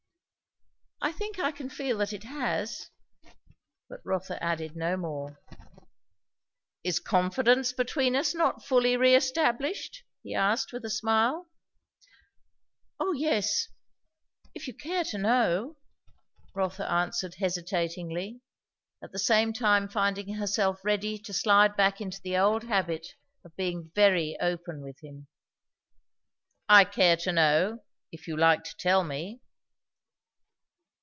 "I think I can feel that it has." But Rotha added no more. "Is confidence between us not fully reestablished?" he asked with a smile. "O yes if you care to know," Rotha answered hesitatingly, at the same time finding herself ready to slide back into the old habit of being very open with him. "I care to know if you like to tell me."